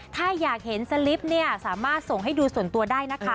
ถ้าอยากเห็นสลิปเนี่ยสามารถส่งให้ดูส่วนตัวได้นะคะ